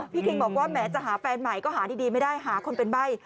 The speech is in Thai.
คิงบอกว่าแม้จะหาแฟนใหม่ก็หาดีไม่ได้หาคนเป็นใบ้